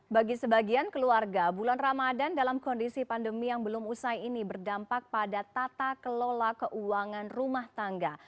bagi sebagian keluarga bulan ramadan dalam kondisi pandemi yang belum usai ini berdampak pada tata kelola keuangan rumah tangga